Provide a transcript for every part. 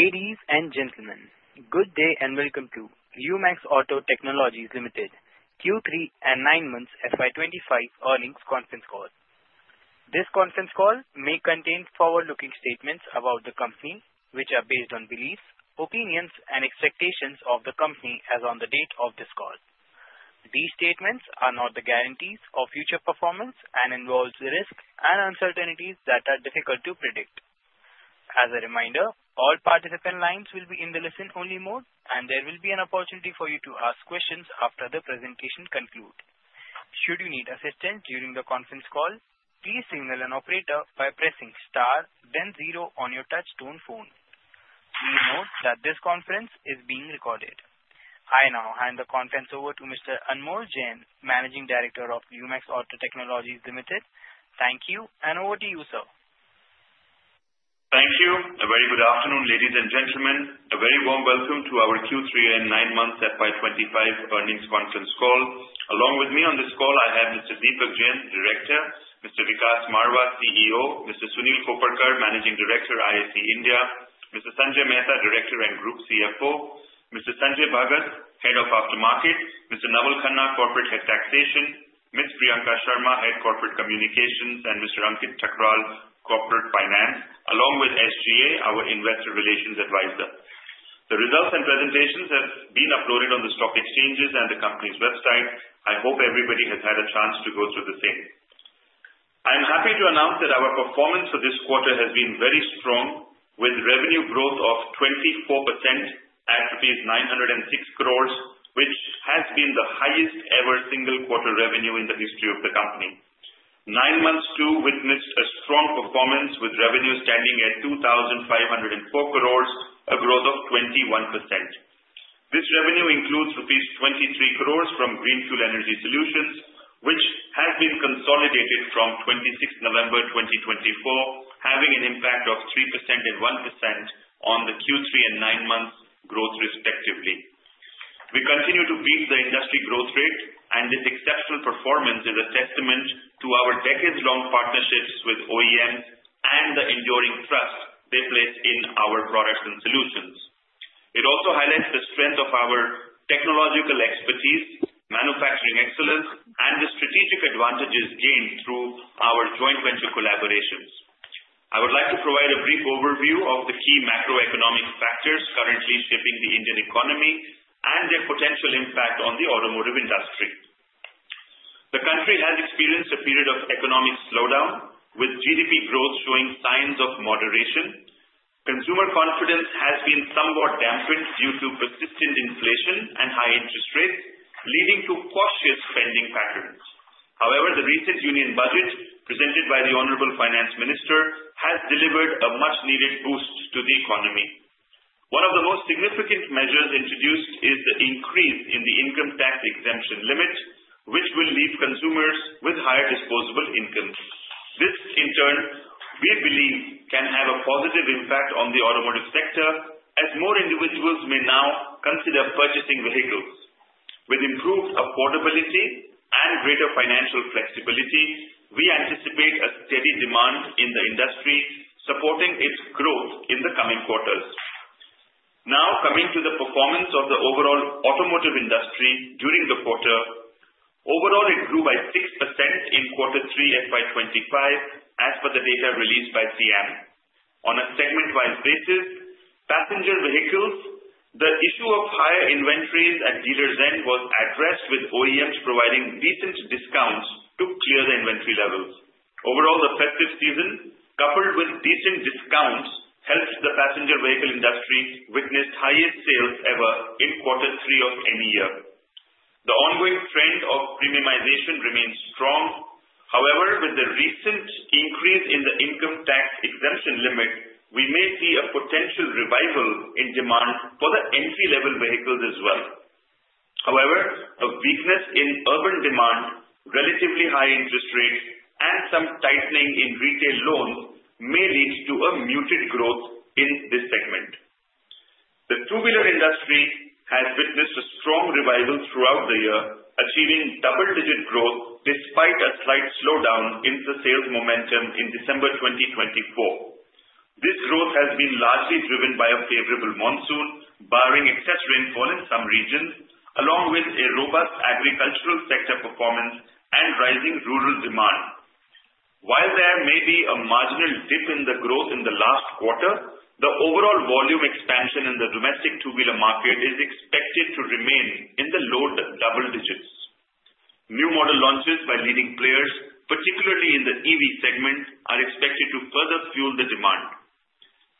Ladies and gentlemen, good day and welcome to Lumax Auto Technologies Limited Q3 and 9-month FY2025 Earnings Conference Call. This conference call may contain forward-looking statements about the company, which are based on beliefs, opinions, and expectations of the company as of the date of this call. These statements are not the guarantees of future performance and involve the risks and uncertainties that are difficult to predict. As a reminder, all participant lines will be in the listen-only mode, and there will be an opportunity for you to ask questions after the presentation concludes. Should you need assistance during the conference call, please signal an operator by pressing star, then zero on your touch-tone phone. Please note that this conference is being recorded. I now hand the conference over to Mr. Anmol Jain, Managing Director of Lumax Auto Technologies Limited. Thank you, and over to you, sir. Thank you. A very good afternoon, ladies and gentlemen. A very warm welcome to our Q3 and 9-month FY2025 Earnings Conference Call. Along with me on this call, I have Mr. Deepak Jain, Director, Mr. Vikas Marwah, CEO, Mr. Sunil Koparkar, Managing Director, IAC India, Mr. Sanjay Mehta, Director and Group CFO, Mr. Sanjay Bhagat, Head of Aftermarket, Mr. Naval Khanna, Corporate Head Taxation, Ms. Priyanka Sharma, Head Corporate Communications, and Mr. Ankit Thakral, Corporate Finance, along with SGA, our Investor Relations Advisor. The results and presentations have been uploaded on the stock exchanges and the company's website. I hope everybody has had a chance to go through the same. I am happy to announce that our performance for this quarter has been very strong, with revenue growth of 24% at 906 crores, which has been the highest-ever single-quarter revenue in the history of the company. Nine months also witnessed a strong performance, with revenue standing at 2,504 crores, a growth of 21%. This revenue includes rupees 23 crores from Greenfuel Energy Solutions, which has been consolidated from 26 November 2024, having an impact of 3% and 1% on the Q3 and 9-month growth, respectively. We continue to beat the industry growth rate, and this exceptional performance is a testament to our decades-long partnerships with OEMs and the enduring trust they place in our products and solutions. It also highlights the strength of our technological expertise, manufacturing excellence, and the strategic advantages gained through our joint venture collaborations. I would like to provide a brief overview of the key macroeconomic factors currently shaping the Indian economy and their potential impact on the automotive industry. The country has experienced a period of economic slowdown, with GDP growth showing signs of moderation. Consumer confidence has been somewhat dampened due to persistent inflation and high interest rates, leading to cautious spending patterns. However, the recent union budget presented by the Honorable Finance Minister has delivered a much-needed boost to the economy. One of the most significant measures introduced is the increase in the income tax exemption limit, which will leave consumers with higher disposable income. This, in turn, we believe, can have a positive impact on the automotive sector, as more individuals may now consider purchasing vehicles. With improved affordability and greater financial flexibility, we anticipate a steady demand in the industry, supporting its growth in the coming quarters. Now, coming to the performance of the overall automotive industry during the quarter, overall it grew by 6% in Q3 FY2025, as per the data released by SIAM. On a segment-wise basis, passenger vehicles, the issue of higher inventories at dealers' end was addressed with OEMs providing decent discounts to clear the inventory levels. Overall, the festive season, coupled with decent discounts, helped the passenger vehicle industry witness highest sales ever in Q3 of any year. The ongoing trend of premiumization remains strong. However, with the recent increase in the income tax exemption limit, we may see a potential revival in demand for the entry-level vehicles as well. However, a weakness in urban demand, relatively high interest rates, and some tightening in retail loans may lead to a muted growth in this segment. The two-wheeler industry has witnessed a strong revival throughout the year, achieving double-digit growth despite a slight slowdown in the sales momentum in December 2024. This growth has been largely driven by a favorable monsoon, barring excess rainfall in some regions, along with a robust agricultural sector performance and rising rural demand. While there may be a marginal dip in the growth in the last quarter, the overall volume expansion in the domestic two-wheeler market is expected to remain in the low double digits. New model launches by leading players, particularly in the EV segment, are expected to further fuel the demand.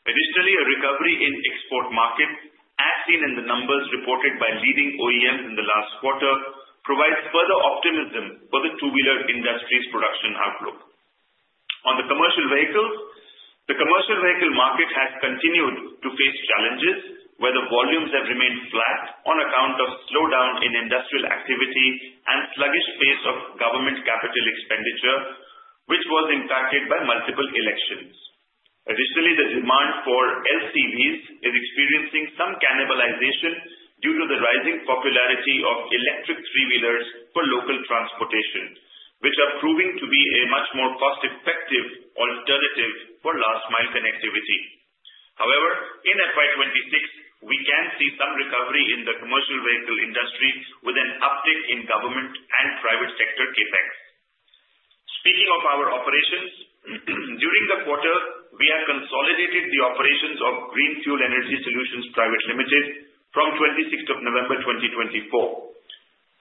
Additionally, a recovery in export markets, as seen in the numbers reported by leading OEMs in the last quarter, provides further optimism for the two-wheeler industry's production outlook. On the commercial vehicles, the commercial vehicle market has continued to face challenges, where the volumes have remained flat on account of slowdown in industrial activity and sluggish pace of government capital expenditure, which was impacted by multiple elections. Additionally, the demand for LCVs is experiencing some cannibalization due to the rising popularity of electric three-wheelers for local transportation, which are proving to be a much more cost-effective alternative for last-mile connectivity. However, in FY2026, we can see some recovery in the commercial vehicle industry, with an uptick in government and private sector CapEx. Speaking of our operations, during the quarter, we have consolidated the operations of Greenfuel Energy Solutions Private Limited from 26 November 2024.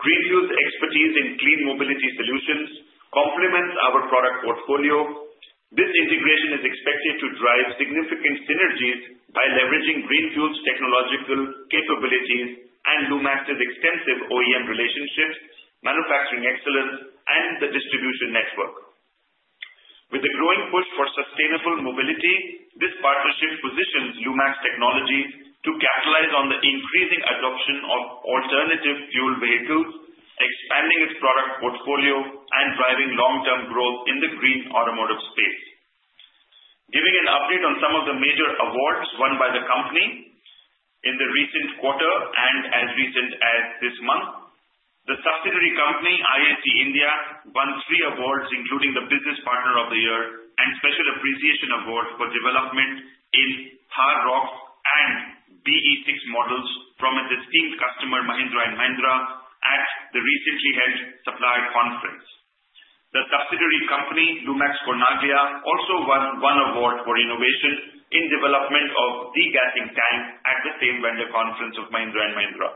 Greenfuel's expertise in clean mobility solutions complements our product portfolio. This integration is expected to drive significant synergies by leveraging Greenfuel's technological capabilities and Lumax's extensive OEM relationships, manufacturing excellence, and the distribution network. With the growing push for sustainable mobility, this partnership positions Lumax Auto Technologies to capitalize on the increasing adoption of alternative fuel vehicles, expanding its product portfolio, and driving long-term growth in the green automotive space. Giving an update on some of the major awards won by the company in the recent quarter and as recent as this month, the subsidiary company, IAC India, won three awards, including the Business Partner of the Year and Special Appreciation Award for Development in Thar Roxx and BS-VI models from its esteemed customer, Mahindra & Mahindra, at the recently held supplier conference. The subsidiary company, Lumax Cornaglia, also won one award for innovation in development of degassing tanks at the same vendor conference of Mahindra & Mahindra.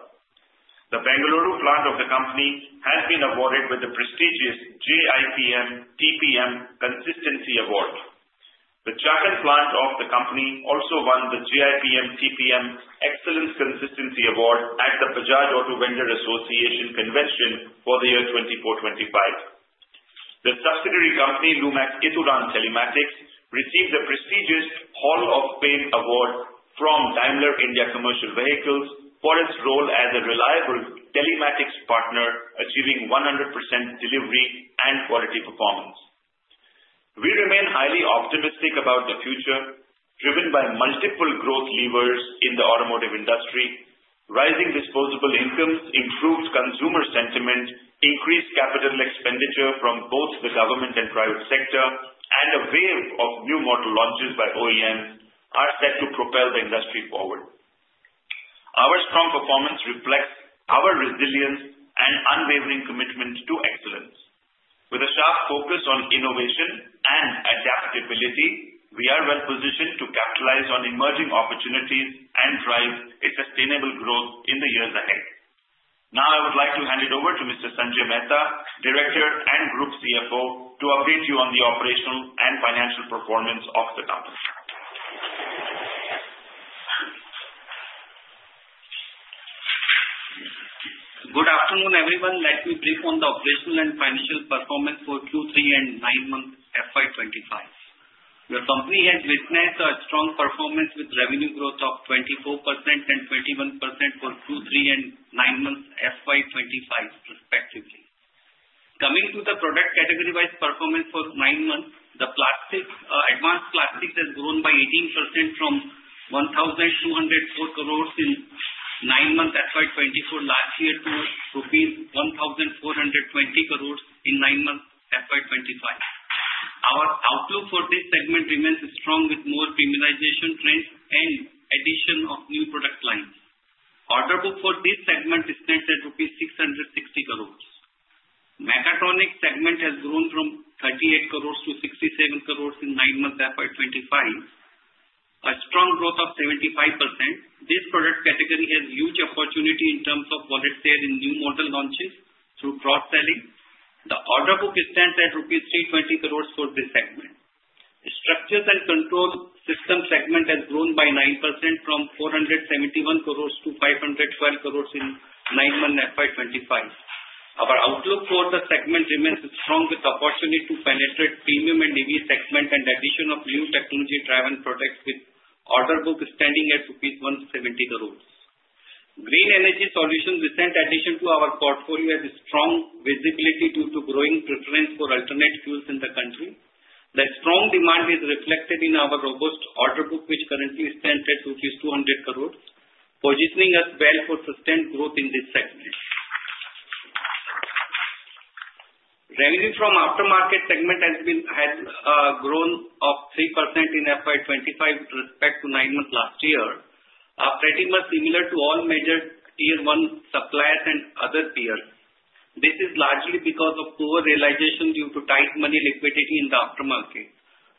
The Bengaluru plant of the company has been awarded with the prestigious JIPM TPM Consistency Award. The Chakan plant of the company also won the JIPM TPM Excellence Consistency Award at the Bajaj Auto Vendor Association Convention for the year 2024-2025. The subsidiary company, Lumax Ituran Telematics, received the prestigious Hall of Fame Award from Daimler India Commercial Vehicles for its role as a reliable telematics partner, achieving 100% delivery and quality performance. We remain highly optimistic about the future, driven by multiple growth levers in the automotive industry. Rising disposable incomes, improved consumer sentiment, increased capital expenditure from both the government and private sector, and a wave of new model launches by OEMs are set to propel the industry forward. Our strong performance reflects our resilience and unwavering commitment to excellence. With a sharp focus on innovation and adaptability, we are well-positioned to capitalize on emerging opportunities and drive sustainable growth in the years ahead. Now, I would like to hand it over to Mr. Sanjay Mehta, Director and Group CFO, to update you on the operational and financial performance of the company. Good afternoon, everyone. Let me brief on the operational and financial performance for Q3 and 9-month FY2025. The company has witnessed a strong performance with revenue growth of 24% and 21% for Q3 and 9-month FY2025, respectively. Coming to the product category-wise performance for 9 months, the Advanced Plastics has grown by 18% from 1,204 crores in 9-month FY2024 last year to rupees 1,420 crores in 9-month FY2025. Our outlook for this segment remains strong, with more premiumization trends and addition of new product lines. Order book for this segment is set at 660 crores rupees. Mechatronics segment has grown from 38 crores to 67 crores in 9-month FY2025, a strong growth of 75%. This product category has huge opportunity in terms of wallet share in new model launches through cross-selling. The order book is set at 320 crores rupees for this segment. Structures and Control Systems segment has grown by 9% from 471 crores to 512 crores in nine-month FY2025. Our outlook for the segment remains strong, with the opportunity to penetrate premium and EV Segment and addition of new technology-driven products, with order book standing at rupees 170 crores. Greenfuel Energy Solutions, recent addition to our portfolio, has strong visibility due to growing preference for alternative fuels in the country. The strong demand is reflected in our robust order book, which currently is set at 200 crores, positioning us well for sustained growth in this segment. Revenue from Aftermarket segment has grown by 3% in FY2025 with respect to nine-month last year, a trend similar to all major Tier 1 suppliers and other peers. This is largely because of poor realization due to tight money liquidity in the Aftermarket.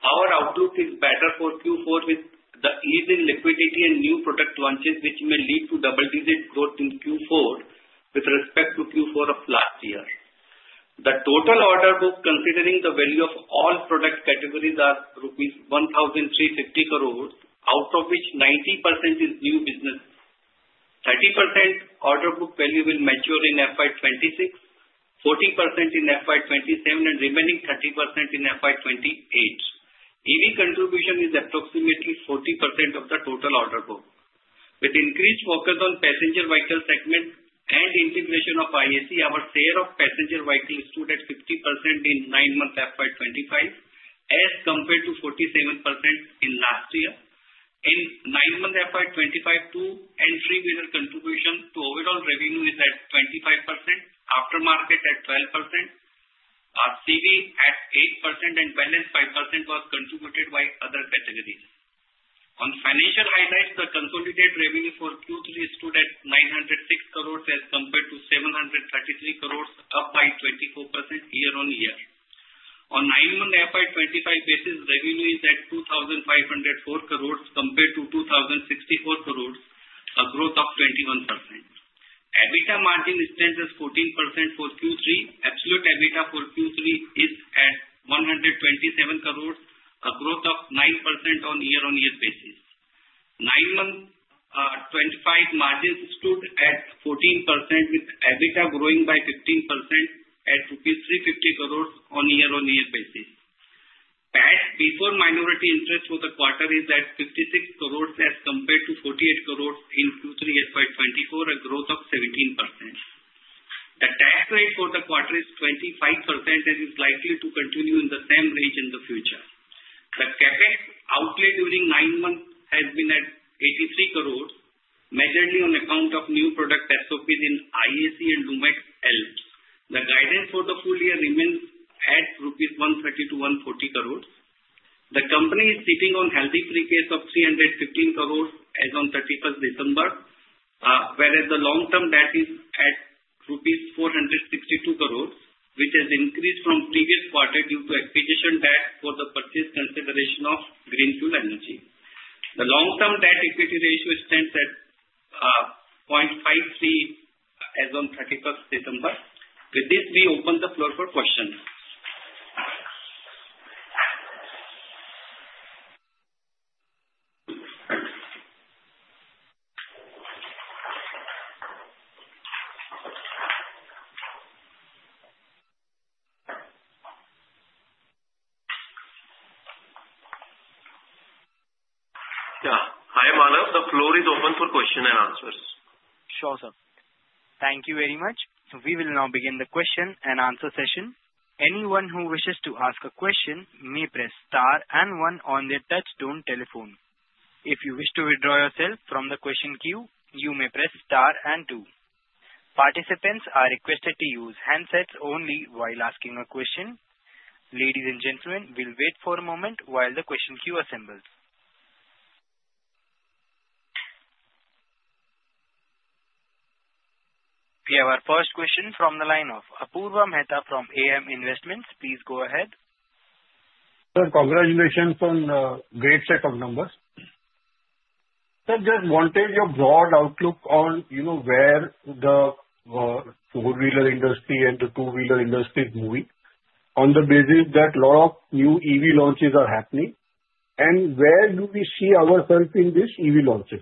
Our outlook is better for Q4 with the ease in liquidity and new product launches, which may lead to double-digit growth in Q4 with respect to Q4 of last year. The total order book, considering the value of all product categories, is rupees 1,350 crores, out of which 90% is new business. 30% order book value will mature in FY2026, 40% in FY2027, and remaining 30% in FY2028. EV contribution is approximately 40% of the total order book. With increased focus on passenger vehicle segment and integration of IAC, our share of passenger vehicle stood at 50% in 9-month FY2025, as compared to 47% in last year. In 9-month FY2025, two-wheeler contribution to overall revenue is at 25%, Aftermarket at 12%, CV at 8%, and balance 5% was contributed by other categories. On financial highlights, the consolidated revenue for Q3 stood at 906 crores, as compared to 733 crores, up by 24% year-on-year. On 9-month FY2025 basis, revenue is at 2,504 crores, compared to 2,064 crores, a growth of 21%. EBITDA margin is set as 14% for Q3. Absolute EBITDA for Q3 is at 127 crores, a growth of 9% on year-on-year basis. 9-month FY2025 margin stood at 14%, with EBITDA growing by 15% at INR 350 crores on year-on-year basis. PAT before minority interest for the quarter is at 56 crores, as compared to 48 crores in Q3 FY2024, a growth of 17%. The tax rate for the quarter is 25% and is likely to continue in the same range in the future. The CapEx outlay during 9 months has been at 83 crores, measured on account of new product SOPs in IAC and Lumax Alps. The guidance for the full year remains at rupees 130-140 crores. The company is sitting on healthy pre-payments of 315 crores as of 31st December, whereas the long-term debt is at rupees 462 crores, which has increased from previous quarter due to acquisition debt for the purchase consideration of Greenfuel Energy Solutions. The long-term debt equity ratio is set at 0.53 as of 31st December. With this, we open the floor for questions. Yeah. Hi, Manav. The floor is open for questions and answers. Sure, sir. Thank you very much. We will now begin the question and answer session. Anyone who wishes to ask a question may press star and one on their touch-tone telephone. If you wish to withdraw yourself from the question queue, you may press star and two. Participants are requested to use handsets only while asking a question. Ladies and gentlemen, we'll wait for a moment while the question queue assembles. We have our first question from the line of Apurva Mehta from AM Investments. Please go ahead. Sir, congratulations on the great set of numbers. Sir, just wanted your broad outlook on where the four-wheeler Industry and the two-wheeler industry is moving on the basis that a lot of new EV launches are happening, and where do we see ourselves in these EV launches?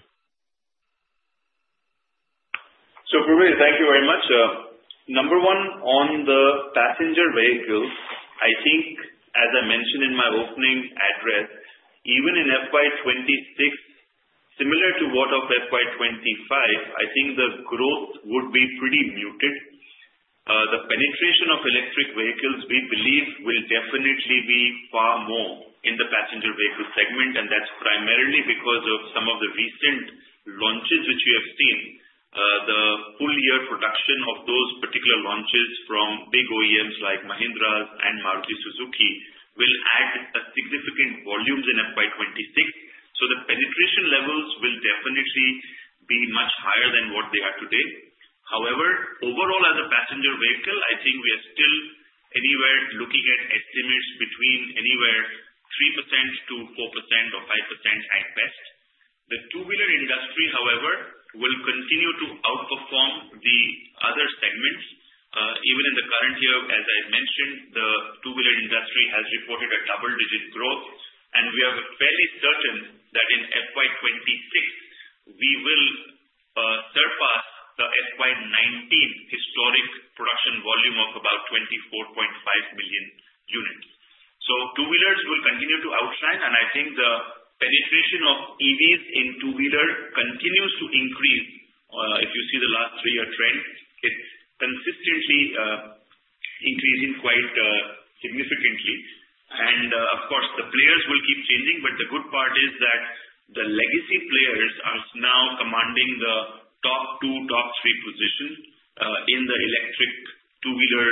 Apurva, thank you very much. Number one, on the passenger vehicles, I think, as I mentioned in my opening address, even in FY2026, similar to what of FY2025, I think the growth would be pretty muted. The penetration of electric vehicles, we believe, will definitely be far more in the passenger vehicle segment, and that's primarily because of some of the recent launches which we have seen. The full-year production of those particular launches from big OEMs like Mahindra and Maruti Suzuki will add a significant volume in FY2026, so the penetration levels will definitely be much higher than what they are today. However, overall, as a passenger vehicle, I think we are still looking at estimates between 3%-4% or 5% at best. The two-wheeler industry, however, will continue to outperform the other segments. Even in the current year, as I mentioned, the two-wheeler industry has reported a double-digit growth, and we are fairly certain that in FY2026, we will surpass the FY2019 historic production volume of about 24.5 million units, so two-wheelers will continue to outshine, and I think the penetration of EVs in two-wheelers continues to increase. If you see the last three-year trend, it's consistently increasing quite significantly, and of course, the players will keep changing, but the good part is that the legacy players are now commanding the top two, top three position in the Electric two-wheeler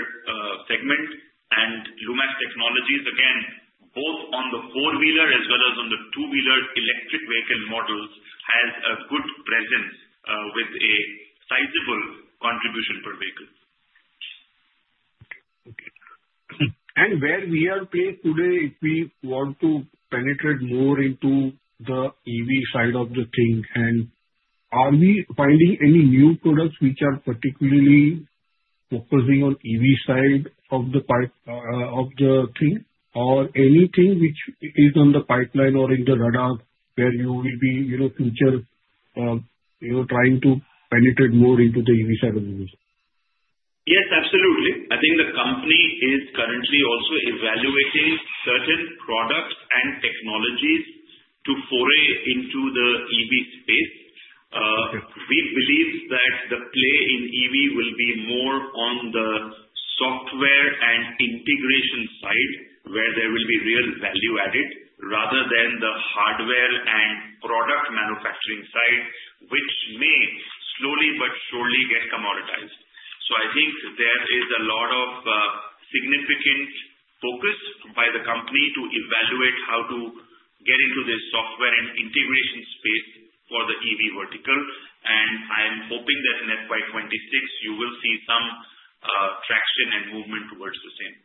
segment, and Lumax Technologies, again, both on the four-wheeler as well as on the two-wheeler electric vehicle models, has a good presence with a sizable contribution per vehicle. Where we are placed today, if we want to penetrate more into the EV side of the thing, and are we finding any new products which are particularly focusing on EV side of the thing, or anything which is on the pipeline or in the radar where you will be future trying to penetrate more into the EV side of the business? Yes, absolutely. I think the company is currently also evaluating certain products and technologies to foray into the EV space. We believe that the play in EV will be more on the software and integration side where there will be real value added rather than the hardware and product manufacturing side, which may slowly but surely get commoditized. So I think there is a lot of significant focus by the company to evaluate how to get into this software and integration space for the EV vertical, and I am hoping that in FY2026, you will see some traction and movement towards the same.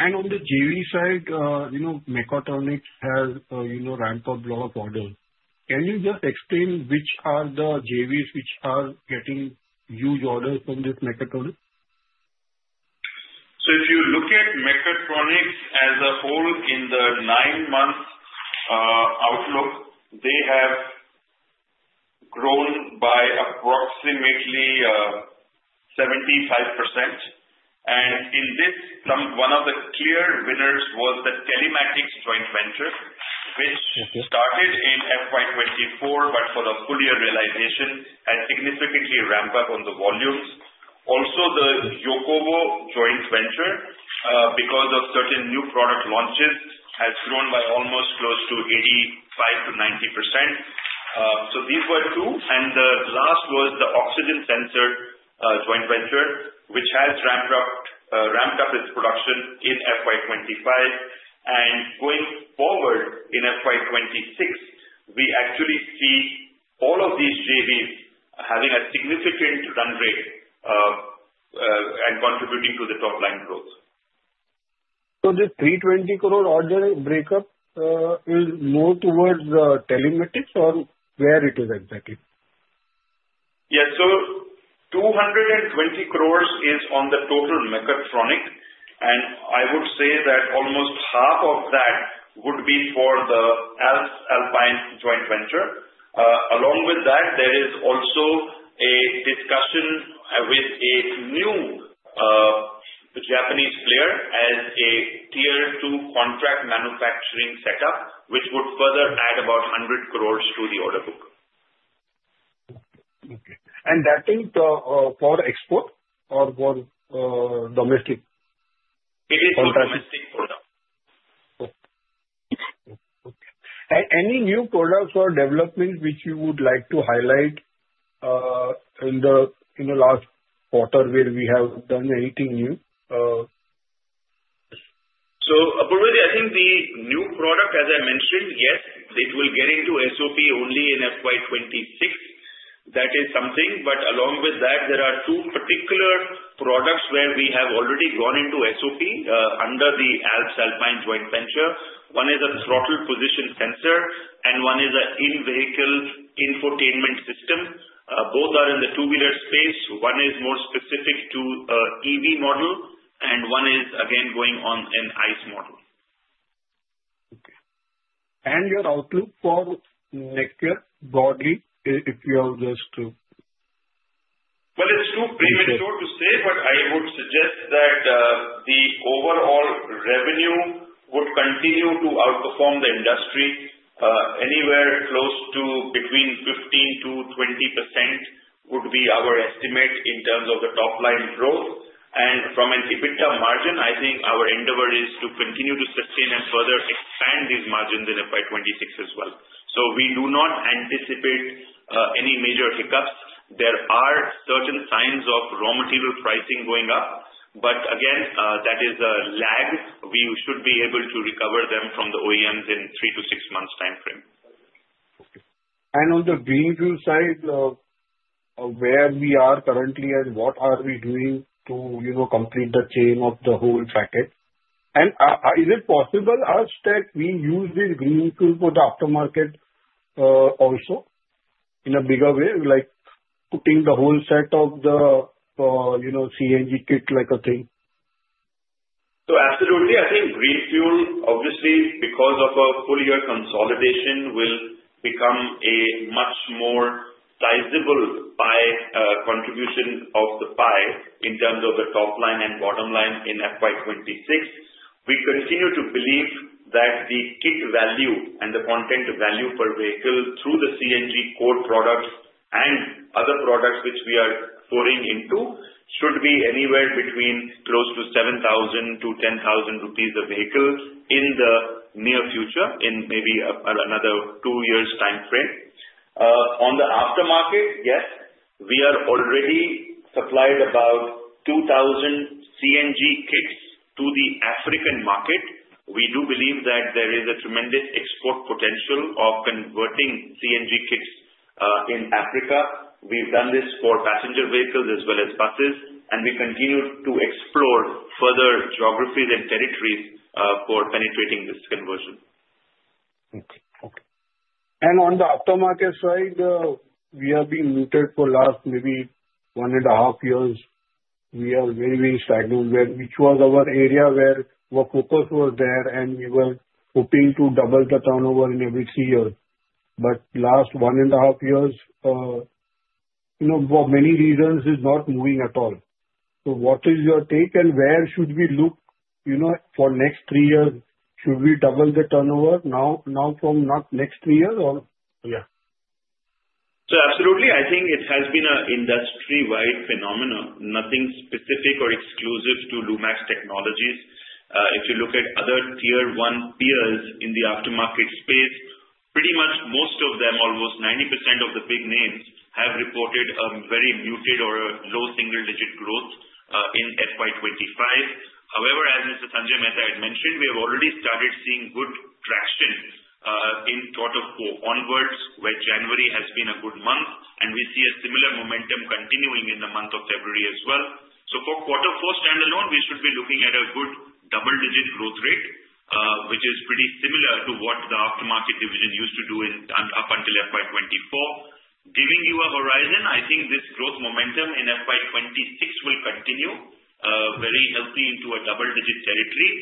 On the JV side, mechatronics has ramped up a lot of orders. Can you just explain which are the JVs which are getting huge orders from this mechatronics? So if you look at mechatronics as a whole in the Nine-month Outlook, they have grown by approximately 75%, and in this, one of the clear winners was the Telematics joint venture, which started in FY2024 but for the full-year realization has significantly ramped up on the volumes. Also, the Alps joint venture, because of certain new product launches, has grown by almost close to 85%-90%. So these were two, and the last was the oxygen sensor joint venture, which has ramped up its production in FY2025, and going forward in FY2026, we actually see all of these JVs having a significant run rate and contributing to the top-line growth. This 320 crore order breakup is more towards the telematics or where it is exactly? Yeah. So 220 crores is on the total mechatronics, and I would say that almost half of that would be for the Alps Alpine Joint Venture. Along with that, there is also a discussion with a new Japanese Player as a Tier 2 contract manufacturing setup, which would further add about 100 crores to the order book. Okay. And that is for export or for domestic? It is for domestic product. Okay. Any new products or developments which you would like to highlight in the last quarter where we have done anything new? Apurva, I think the new product, as I mentioned, yes, it will get into SOP only in FY2026. That is something. But along with that, there are two particular products where we have already gone into SOP under the Alps Alpine Joint Venture. One is a throttle position sensor, and one is an in-vehicle infotainment system. Both are in the two-wheeler space. One is more specific to an EV model, and one is, again, going on an ICE model. Okay. And your outlook for next year broadly, if you have just to? It's too premature to say, but I would suggest that the overall revenue would continue to outperform the industry. Anywhere close to between 15%-20% would be our estimate in terms of the top-line growth. From an EBITDA margin, I think our endeavor is to continue to sustain and further expand these margins in FY2026 as well. We do not anticipate any major hiccups. There are certain signs of raw material pricing going up, but again, that is a lag. We should be able to recover them from the OEMs in three to six months' time frame. Okay. And on the Greenfuel side, where we are currently and what are we doing to complete the chain of the whole package? And is it possible as tech we use this Greenfuel for the Aftermarket also in a bigger way, like putting the whole set of the CNG kit like a thing? So absolutely. I think Greenfuel, obviously, because of a full-year consolidation, will become a much more sizable contribution of the pie in terms of the top line and bottom line in FY2026. We continue to believe that the kit value and the content value per vehicle through the CNG core products and other products which we are pouring into should be anywhere between close to 7,000-10,000 rupees a vehicle in the near future, in maybe another two-year time frame. On the Aftermarket, yes, we are already supplied about 2,000 CNG kits to the African market. We do believe that there is a tremendous export potential of converting CNG kits in Africa. We've done this for passenger vehicles as well as buses, and we continue to explore further geographies and territories for penetrating this conversion. Okay. Okay. And on the Aftermarket side, we have been muted for the last maybe one and a half years. We are very, very stagnant, which was our area where our focus was there, and we were hoping to double the turnover in every three years. But last one and a half years, for many reasons, it's not moving at all. So what is your take, and where should we look for next three years? Should we double the turnover now from not next three years or yeah? So absolutely. I think it has been an industry-wide phenomenon, nothing specific or exclusive to Lumax Technologies. If you look at other Tier 1 peers in the Aftermarket space, pretty much most of them, almost 90% of the big names, have reported a very muted or low single-digit growth in FY2025. However, as Mr. Sanjay Mehta had mentioned, we have already started seeing good traction in Q4 onwards, where January has been a good month, and we see a similar momentum continuing in the month of February as well. So for Q4 standalone, we should be looking at a good double-digit growth rate, which is pretty similar to what the Aftermarket division used to do up until FY2024. Giving you a horizon, I think this growth momentum in FY2026 will continue very healthy into a double-digit territory.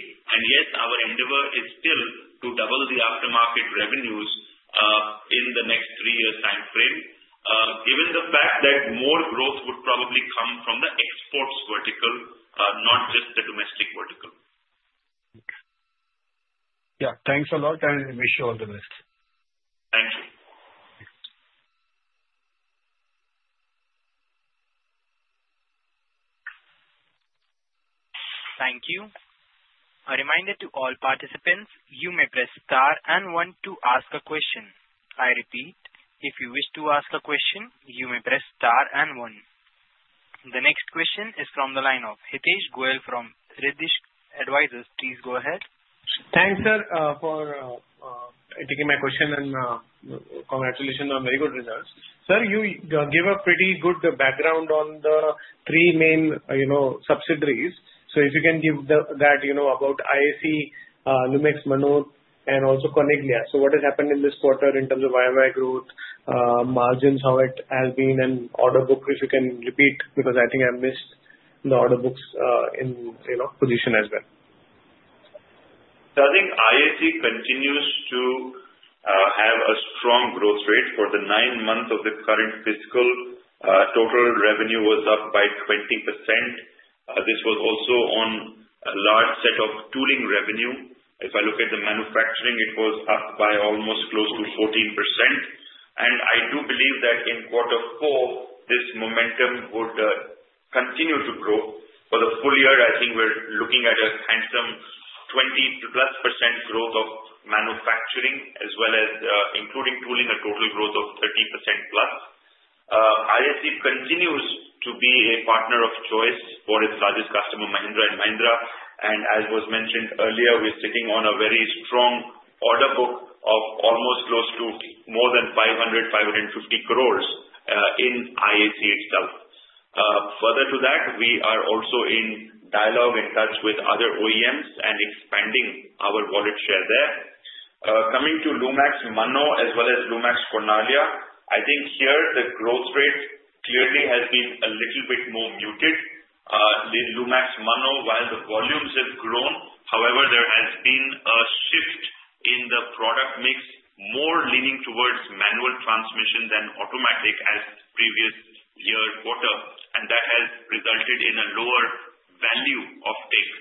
Yes, our endeavor is still to double the Aftermarket revenues in the next three-year time frame, given the fact that more growth would probably come from the exports vertical, not just the domestic vertical. Okay. Yeah. Thanks a lot, and wish you all the best. Thank you. Thank you. A reminder to all participants, you may press star and one to ask a question. I repeat, if you wish to ask a question, you may press star and one. The next question is from the line of Hitesh Goel from Riddhish Advisors. Please go ahead. Thanks, sir, for taking my question and congratulations on very good results. Sir, you gave a pretty good background on the three main subsidiaries. So if you can give that about IAC, Lumax, Mannoh, and also Cornaglia. So what has happened in this quarter in terms of OEM growth, margins, how it has been, and order book, if you can repeat, because I think I missed the order book position as well. So I think IAC continues to have a strong growth rate for the nine months of the current fiscal. Total revenue was up by 20%. This was also on a large set of tooling revenue. If I look at the manufacturing, it was up by almost close to 14%. And I do believe that in Q4, this momentum would continue to grow. For the full year, I think we're looking at a handsome 20-plus% growth of manufacturing, as well as including tooling, a total growth of 30% plus. IAC continues to be a partner of choice for its largest customer, Mahindra & Mahindra. And as was mentioned earlier, we're sitting on a very strong order book of almost close to more than 500-550 crores in IAC itself. Further to that, we are also in dialogue and touch with other OEMs and expanding our wallet share there. Coming to Lumax Mannoh, as well as Lumax Cornaglia, I think here the growth rate clearly has been a little bit more muted. Lumax Mannoh, while the volumes have grown, however, there has been a shift in the product mix, more leaning towards manual transmission than automatic as previous year quarter, and that has resulted in a lower value of take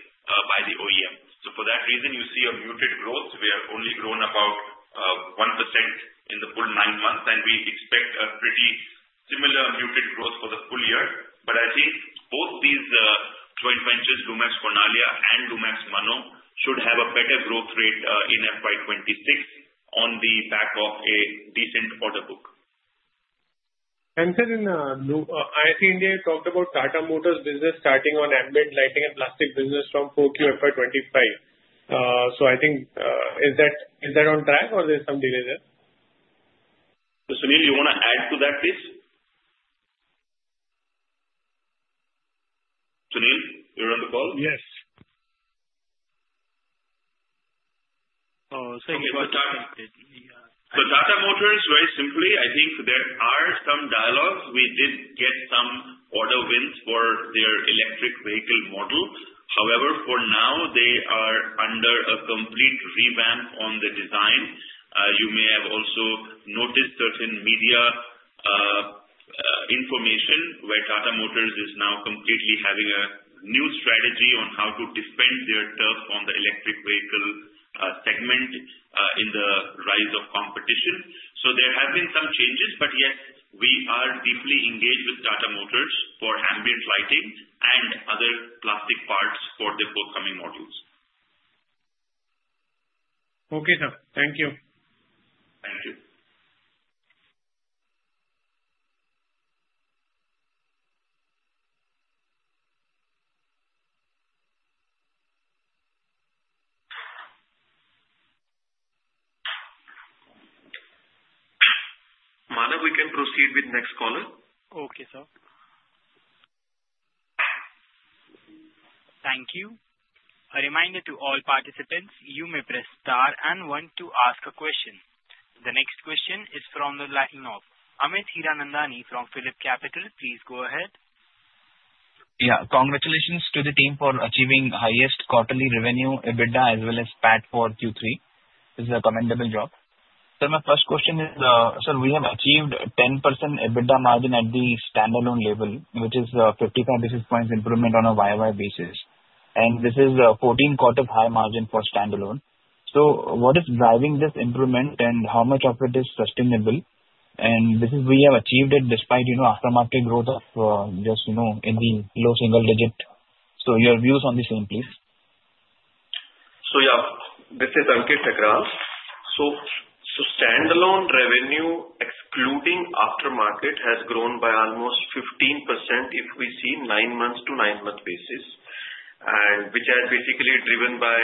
by the OEM. So for that reason, you see a muted growth. We have only grown about 1% in the full nine months, and we expect a pretty similar muted growth for the full year. But I think both these joint ventures, Lumax Cornaglia, and Lumax Mannoh, should have a better growth rate in FY2026 on the back of a decent order book. Sir, in IAC India, you talked about Tata Motors' business starting on ambient lighting and plastic business from Q4 FY2025. So I think, is that on track, or there's some delay there? So, Sunil, you want to add to that, please? Sunil, you're on the call? Yes, so Tata Motors is very simply. I think there are some dialogues. We did get some order wins for their electric vehicle model. However, for now, they are under a complete revamp on the design. You may have also noticed certain media information where Tata Motors is now completely having a new strategy on how to defend their turf on the electric vehicle segment in the rise of competition, so there have been some changes, but yes, we are deeply engaged with Tata Motors for ambient lighting and other plastic parts for the forthcoming modules. Okay, sir. Thank you. Thank you. Now, we can proceed with next caller. Okay, sir. Thank you. A reminder to all participants, you may press star and one to ask a question. The next question is from the line of Amit Hiranandani from PhillipCapital. Please go ahead. Yeah. Congratulations to the team for achieving the highest quarterly revenue, EBITDA, as well as PAT for Q3. This is a commendable job. Sir, my first question is, sir, we have achieved a 10% EBITDA margin at the standalone level, which is a 55 basis points improvement on a YoY basis. And this is a 14-quarter high margin for standalone. So your views on the same, please. So yeah, this is Ankit Thakral. Standalone revenue, excluding Aftermarket, has grown by almost 15% if we see nine months to nine months basis, which is basically driven by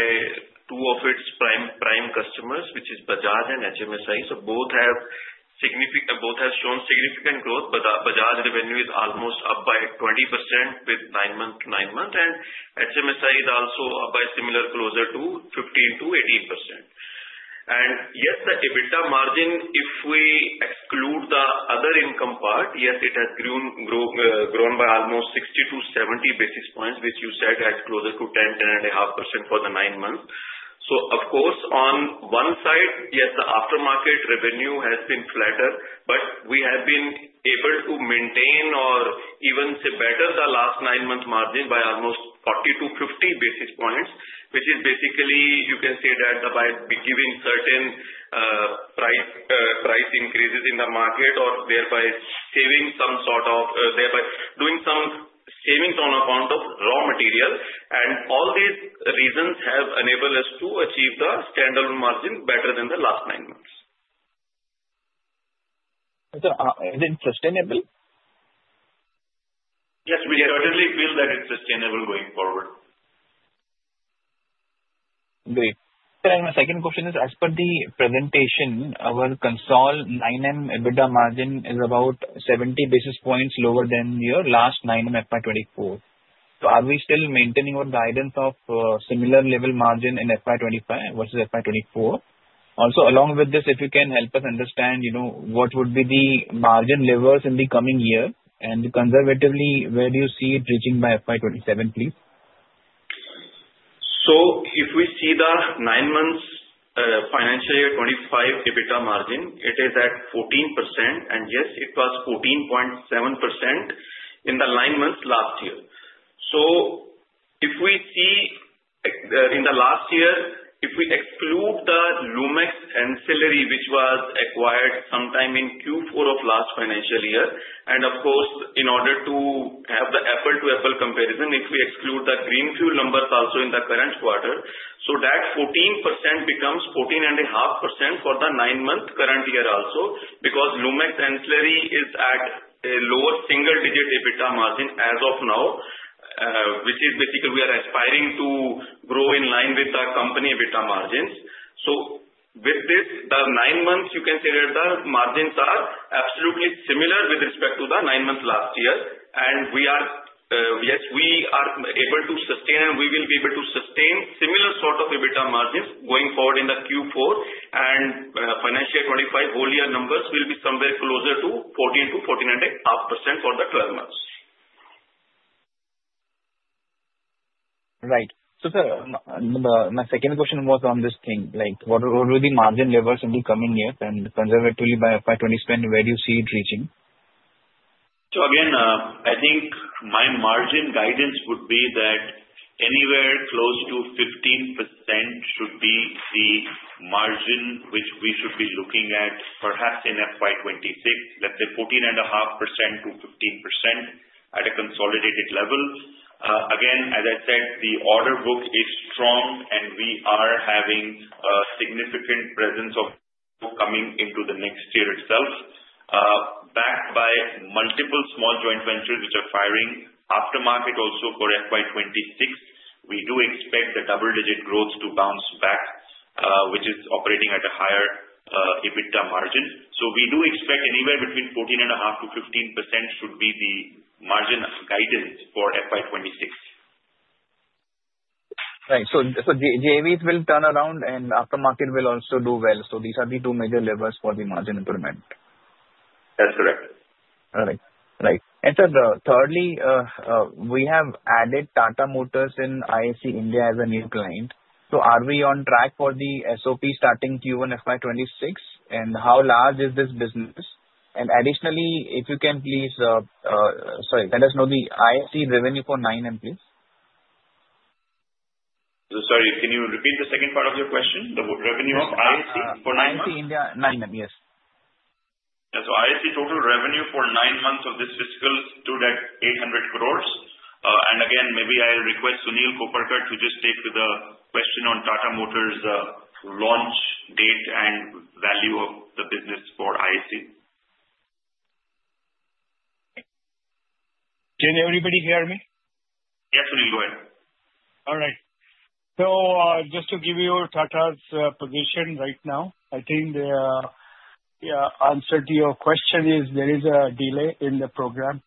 two of its prime customers, which is Bajaj and HMSI. So both have shown significant growth. Bajaj revenue is almost up by 20% with nine months to nine months, and HMSI is also up by similar closer to 15%-18%. And yes, the EBITDA margin, if we exclude the other income part, yes, it has grown by almost 60 to 70 basis points, which you said has closer to 10, 10 and a half % for the nine months. Of course, on one side, yes, the Aftermarket revenue has been flatter, but we have been able to maintain or even say better the last nine-month margin by almost 40-50 basis points, which is basically you can say that by giving certain price increases in the market or thereby saving some sort of doing some savings on account of raw material. All these reasons have enabled us to achieve the standalone margin better than the last nine months. Sir, is it sustainable? Yes, we certainly feel that it's sustainable going forward. Great. And my second question is, as per the presentation, our consol 9M EBITDA margin is about 70 basis points lower than the last 9M FY2024. So are we still maintaining our guidance of similar level margin in FY2025 versus FY2024? Also, along with this, if you can help us understand what would be the margin levels in the coming year? And conservatively, where do you see it reaching by FY2027, please? If we see the nine months financial year 25 EBITDA margin, it is at 14%, and yes, it was 14.7% in the nine months last year. If we see in the last year, if we exclude the Lumax Ancillary, which was acquired sometime in Q4 of last financial year, and of course, in order to have the apples-to-apples comparison, if we exclude the Greenfuel numbers also in the current quarter, so that 14% becomes 14.5% for the nine-month current year also, because Lumax Ancillary is at a lower single-digit EBITDA margin as of now, which is basically we are aspiring to grow in line with the company EBITDA margins. With this, the nine months, you can say that the margins are absolutely similar with respect to the nine months last year. Yes, we are able to sustain, and we will be able to sustain similar sort of EBITDA margins going forward in the Q4, and financial year 2025 whole year numbers will be somewhere closer to 14% to 14.5% for the 12 months. Right. So sir, my second question was on this thing. What will be margin levels in the coming years, and conservatively by FY2027, where do you see it reaching? So again, I think my margin guidance would be that anywhere close to 15% should be the margin which we should be looking at, perhaps in FY2026, let's say 14.5%-15% at a consolidated level. Again, as I said, the order book is strong, and we are having a significant presence of coming into the next year itself. Backed by multiple small joint ventures which are firing Aftermarket also for F20Y26, we do expect the double-digit growth to bounce back, which is operating at a higher EBITDA margin. So we do expect anywhere between 14.5%-15% should be the margin guidance for FY2026. Right. So JVs will turn around, and Aftermarket will also do well. So these are the two major levers for the margin improvement. That's correct. All right. Right. And sir, thirdly, we have added Tata Motors in IAC India as a new client. So are we on track for the SOP starting Q1 FY2026, and how large is this business? And additionally, if you can please sorry, let us know the IAC revenue for 9M, please. So sorry, can you repeat the second part of your question? The revenue of IAC for 9M? IAC India, 9M, yes. Yeah. So, IAC total revenue for nine months of this fiscal stood at 800 crores. And again, maybe I'll request Sunil Koparkar to just take the question on Tata Motors' launch date and value of the business for IAC. Can everybody hear me? Yes, Sunil, go ahead. All right. So just to give you Tata's position right now, I think the answer to your question is there is a delay in the program.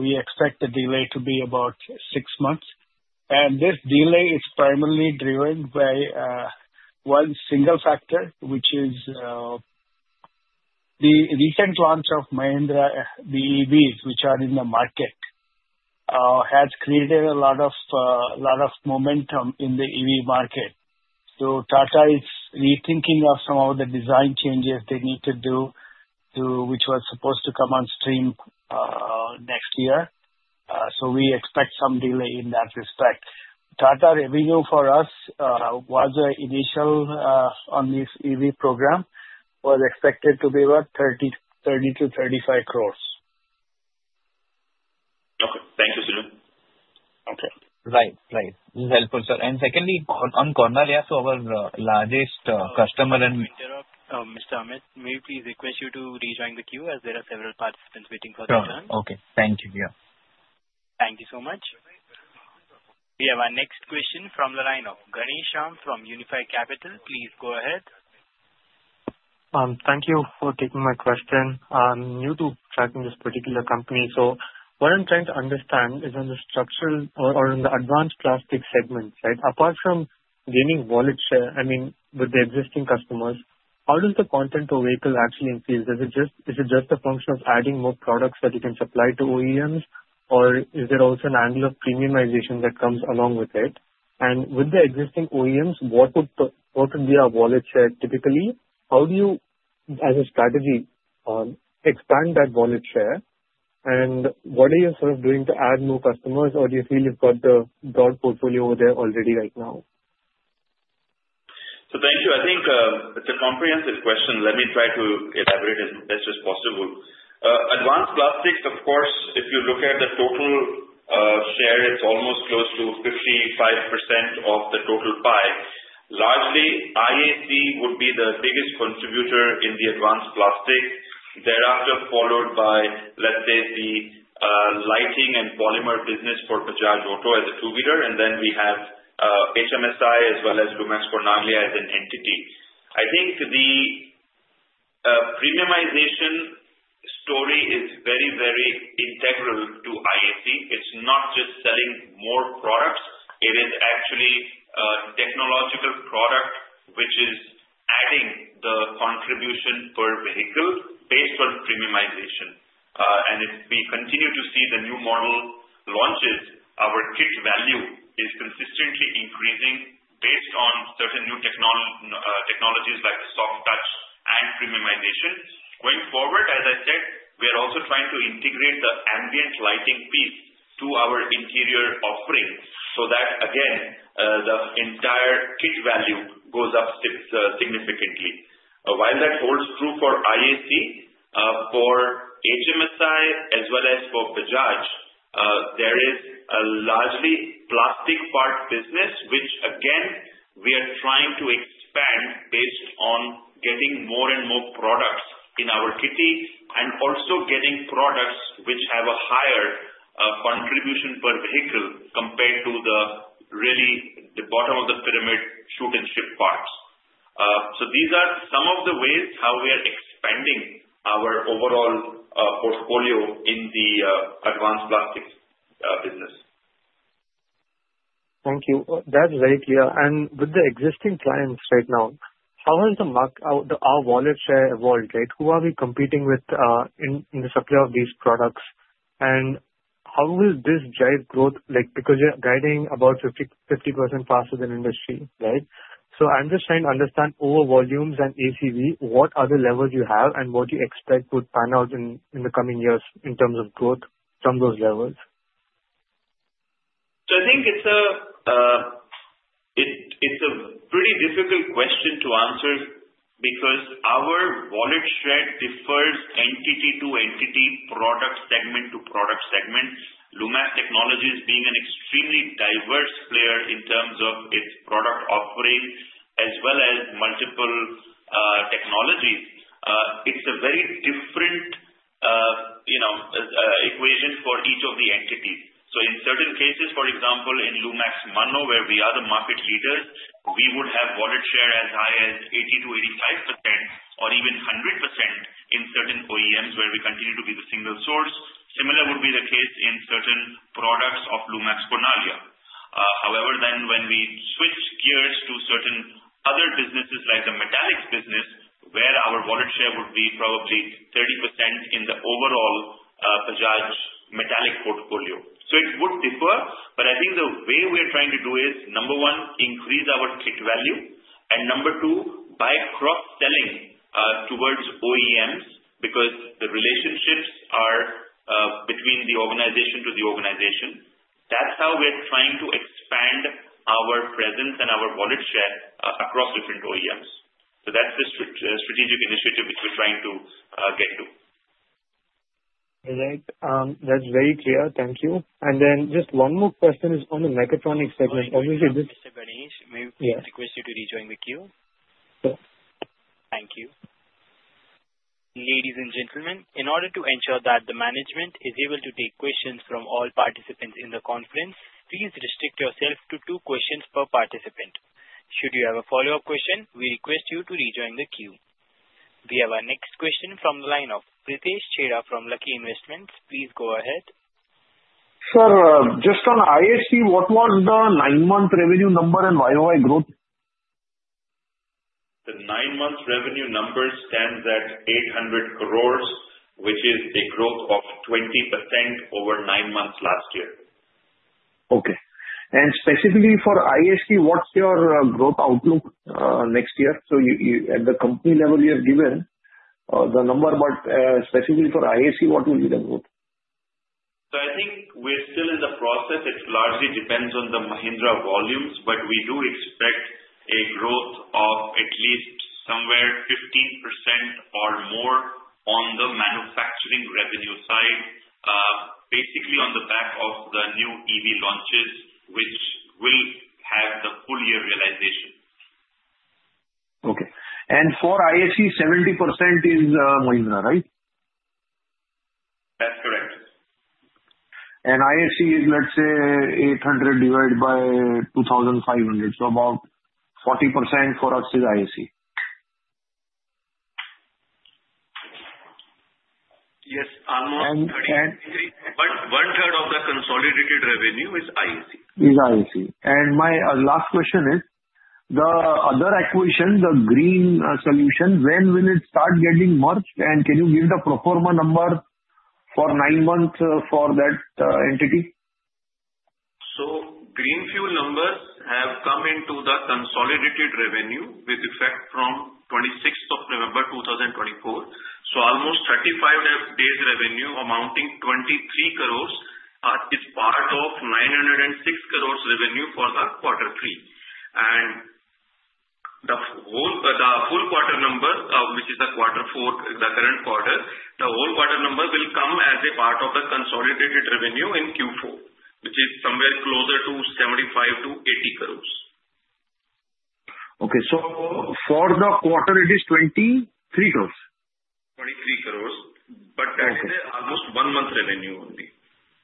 We expect the delay to be about six months. And this delay is primarily driven by one single factor, which is the recent launch of Mahindra EVs, which are in the market, has created a lot of momentum in the EV market. So Tata is rethinking of some of the design changes they need to do, which was supposed to come on stream next year. So we expect some delay in that respect. Tata revenue for us was initial on this EV program was expected to be about 30-35 crores. Okay. Thank you, Sunil. Okay. Right. Right. This is helpful, sir. And secondly, on Cornaglia, so our largest customer and. Mr. Amit, may we please request you to rejoin the queue as there are several participants waiting for their turn? Sure. Okay. Thank you. Yeah. Thank you so much. We have our next question from the line of Ghanshyam from Unifi Capital. Please go ahead. Thank you for taking my question. I'm new to tracking this particular company. So what I'm trying to understand is on the structural or on the advanced plastic segment, right? Apart from gaining wallet share, I mean, with the existing customers, how does the content of vehicle actually increase? Is it just a function of adding more products that you can supply to OEMs, or is there also an angle of premiumization that comes along with it? And with the existing OEMs, what would be our wallet share typically? How do you, as a strategy, expand that wallet share? And what are you sort of doing to add more customers, or do you feel you've got the broad portfolio over there already right now? So thank you. I think it's a comprehensive question. Let me try to elaborate as best as possible. Advanced plastics, of course, if you look at the total share, it's almost close to 55% of the total pie. Largely, IAC would be the biggest contributor in the advanced plastic, thereafter followed by, let's say, the lighting and polymer business for Bajaj Auto as a two-wheeler, and then we have HMSI as well as Lumax Cornaglia as an entity. I think the premiumization story is very, very integral to IAC. It's not just selling more products. It is actually a technological product which is adding the contribution per vehicle based on premiumization. And if we continue to see the new model launches, our kit value is consistently increasing based on certain new technologies like the soft touch and premiumization. Going forward, as I said, we are also trying to integrate the ambient lighting piece to our interior offering so that, again, the entire kit value goes up significantly. While that holds true for IAC, for HMSI as well as for Bajaj, there is a largely plastic part business, which again, we are trying to expand based on getting more and more products in our kitties and also getting products which have a higher contribution per vehicle compared to the really bottom of the pyramid shoot-and-ship parts. So these are some of the ways how we are expanding our overall portfolio in the Advanced Plastics Business. Thank you. That's very clear. And with the existing clients right now, how has our wallet share evolved, right? Who are we competing with in the supply of these products? And how will this drive growth? Because you're guiding about 50% faster than industry, right? So I'm just trying to understand over volumes and ACV, what other levels you have and what you expect would pan out in the coming years in terms of growth from those levels? So I think it's a pretty difficult question to answer because our wallet share differs entity to entity, product segment to product segment. Lumax Auto Technologies being an extremely diverse player in terms of its product offering as well as multiple technologies, it's a very different equation for each of the entities. So in certain cases, for example, in Lumax Mannoh, where we are the market leaders, we would have wallet share as high as 80%-85% or even 100% in certain OEMs where we continue to be the single source. Similar would be the case in certain products of Lumax Cornaglia. However, then when we switch gears to certain other businesses like the Metallics business, where our wallet share would be probably 30% in the overall Bajaj metallic portfolio. So it would differ, but I think the way we are trying to do is, number one, increase our kit value, and number two, by cross-selling towards OEMs because the relationships are between the organization to the organization. That's how we're trying to expand our presence and our wallet share across different OEMs. So that's the strategic initiative which we're trying to get to. All right. That's very clear. Thank you. And then just one more question is on the mechatronics segment. Obviously, this. Mr. Ghanshyam, may we please request you to rejoin the queue? Sure. Thank you. Ladies and gentlemen, in order to ensure that the management is able to take questions from all participants in the conference, please restrict yourself to two questions per participant. Should you have a follow-up question, we request you to rejoin the queue. We have our next question from the line of Pritesh Chheda from Lucky Investment. Please go ahead. Sir, just on IAC, what was the nine-month revenue number and why was it growth? The nine-month revenue number stands at 800 crores, which is a growth of 20% over nine months last year. Okay. And specifically for IAC, what's your growth outlook next year? So at the company level, you have given the number, but specifically for IAC, what will be the growth? So I think we're still in the process. It largely depends on the Mahindra volumes, but we do expect a growth of at least somewhere 15% or more on the manufacturing revenue side, basically on the back of the new EV launches, which will have the full year realization. Okay, and for IAC, 70% is Mahindra, right? That's correct. And IAC is, let's say, 800 divided by 2,500. So about 40% for us is IAC. Yes. Almost 30. And. But one-third of the consolidated revenue is IAC. It's IAC. And my last question is, the other acquisition, the Greenfuel Solutions, when will it start getting merged? And can you give the pro forma number for nine months for that entity? Greenfuel numbers have come into the consolidated revenue with effect from 26th of November 2024. Almost 35 days revenue amounting 23 crores is part of 906 crores revenue for the Q3. The full quarter number, which is the Q4, the current quarter, the whole quarter number will come as a part of the consolidated revenue in Q4, which is somewhere closer to 75-80 crores. Okay. So for the quarter, it is 23 crores? 23 crores, but that's almost one month revenue only.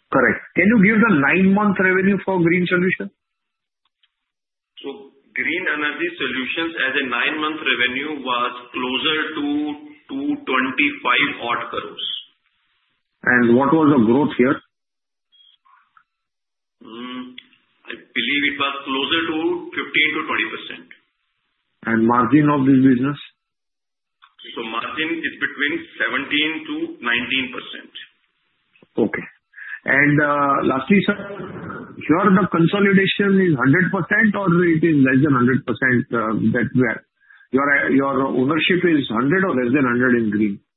Correct. Can you give the nine-month revenue for Greenfuel Solutions? Greenfuel Energy Solutions' nine-month revenue was closer to 225 odd crores. What was the growth here? I believe it was closer to 15%-20%. Margin of this business? So margin is between 17% to 19%. Okay. And lastly, sir, your consolidation is 100% or it is less than 100% that your ownership is 100 or less than 100 in Greenfuel?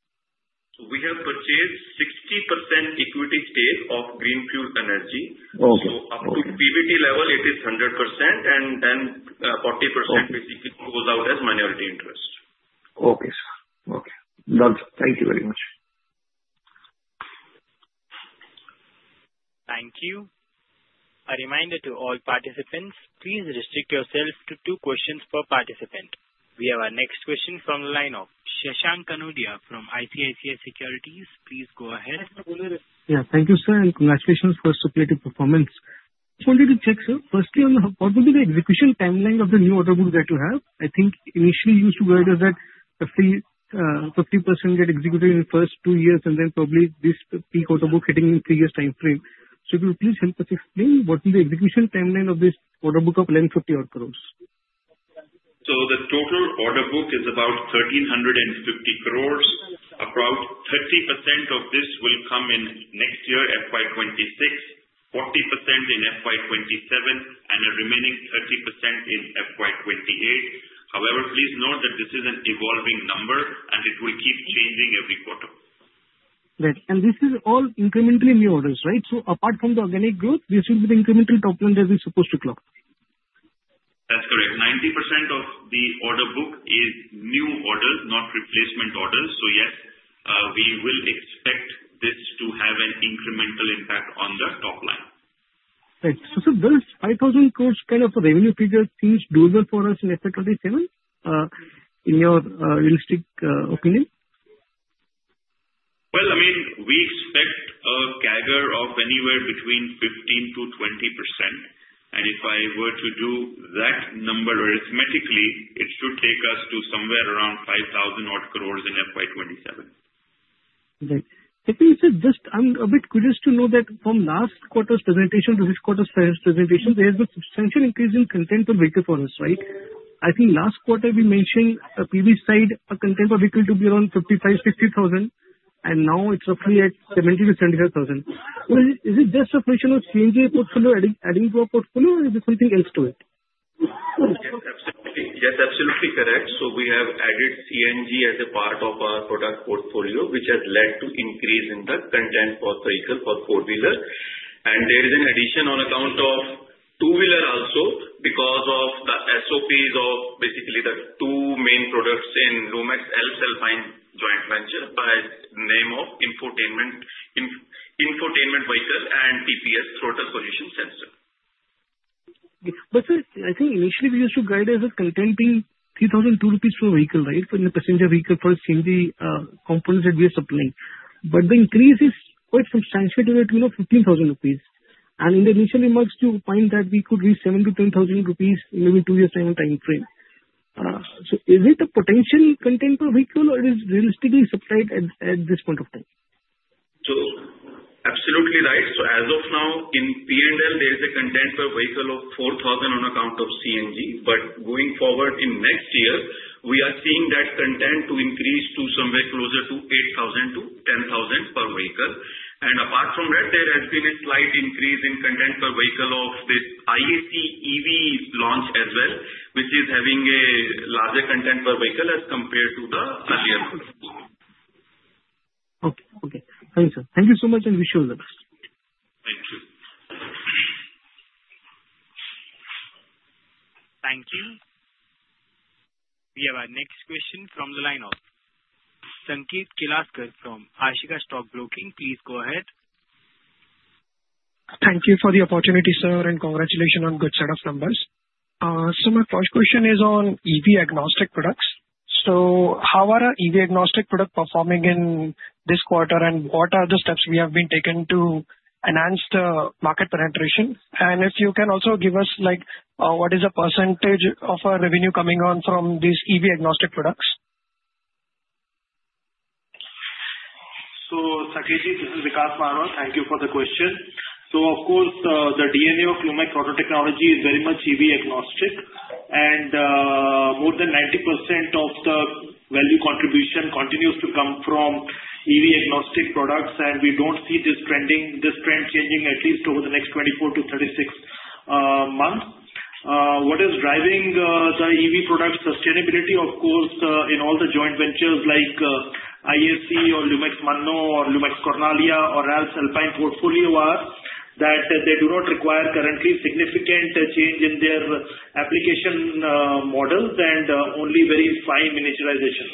We have purchased 60% equity stake of Greenfuel Energy. Up to PBT level, it is 100%, and then 40% basically goes out as minority interest. Okay, sir. Okay. Thank you very much. Thank you. A reminder to all participants, please restrict yourself to two questions per participant. We have our next question from the line of Shashank Kanodia from ICICI Securities. Please go ahead. Yeah. Thank you, sir, and congratulations for the strong performance. Just wanted to check, sir, firstly, what would be the execution timeline of the new order book that you have? I think initially you used to guide us that 50% get executed in the first two years, and then probably this peak order book hitting in three years' time frame. So could you please help us explain what is the execution timeline of this order book of 1,150 odd crores? The total order book is about 1,350 crores. About 30% of this will come in next year, FY2026, 40% in FY2027, and a remaining 30% in FY2028. However, please note that this is an evolving number, and it will keep changing every quarter. Right. And this is all incrementally new orders, right? So apart from the organic growth, this will be the incremental top line that we're supposed to clock. That's correct. 90% of the order book is new orders, not replacement orders. So yes, we will expect this to have an incremental impact on the top line. Right. So sir, does 5,000 crores kind of a revenue figure seem doable for us in FY2027 in your realistic opinion? I mean, we expect a CAGR of anywhere between 15%-20%. If I were to do that number arithmetically, it should take us to somewhere around 5,000 odd crores in FY2027. Right. Actually, sir, just I'm a bit curious to know that from last quarter's presentation to this quarter's presentation, there has been a substantial increase in content of vehicle for us, right? I think last quarter we mentioned PV side content of vehicle to be around 55-50 thousand, and now it's roughly at 70-75 thousand. Is it just a question of CNG portfolio adding to our portfolio, or is there something else to it? Yes, absolutely. Yes, absolutely correct. So we have added CNG as a part of our product portfolio, which has led to an increase in the content for vehicle for four-wheelers. And there is an addition on account of two-wheelers also because of the SOPs of basically the two main products in Lumax Alps Alpine Joint Venture by name of in-vehicle infotainment and TPS, throttle position sensor. But sir, I think initially we used to guide as a content being 2,000-3,000 rupees per vehicle, right? So in the passenger vehicle for CNG components that we are supplying. But the increase is quite substantial to the tune of 15,000 rupees. And in the initial remarks, you find that we could reach seven to 10 thousand rupees maybe two years' time frame. So is it a potential content per vehicle, or is it realistically supplied at this point of time? So absolutely right. So as of now, in P&L, there is a content per vehicle of 4,000 on account of CNG. But going forward in next year, we are seeing that content to increase to somewhere closer to 8,000-10,000 per vehicle. And apart from that, there has been a slight increase in content per vehicle of this IAC EV launch as well, which is having a larger content per vehicle as compared to the last year. Okay. Okay. Thank you, sir. Thank you so much, and wish you all the best. Thank you. Thank you. We have our next question from the line of Sanket Kelaskar from Ashika Stock Broking. Please go ahead. Thank you for the opportunity, sir, and congratulations on a good set of numbers. So my first question is on EV agnostic products. So how are EV agnostic products performing in this quarter, and what are the steps we have been taken to enhance the market penetration? And if you can also give us what is the percentage of revenue coming on from these EV agnostic products? Sanket, this is Vikas Marwah. Thank you for the question. Of course, the DNA of Lumax Auto Technologies is very much EV agnostic, and more than 90% of the value contribution continues to come from EV agnostic products, and we don't see this trend changing at least over the next 24-36 months. What is driving the EV product sustainability? Of course, in all the joint ventures like IAC or Lumax Mannoh or Lumax Cornaglia or Lumax Alps Alpine Portfolio, they do not require currently significant change in their application models and only very fine miniaturization.